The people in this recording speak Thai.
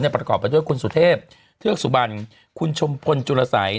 ประกอบไปด้วยคุณสุเทพเทือกสุบันคุณชมพลจุลสัย